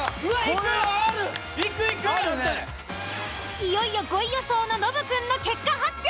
いよいよ５位予想のノブくんの結果発表。